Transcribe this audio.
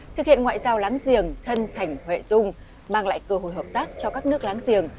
thực hiện ngoại giao láng giềng thân thành huệ dung mang lại cơ hội hợp tác cho các nước láng giềng